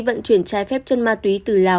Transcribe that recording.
vận chuyển trái phép chân ma túy từ lào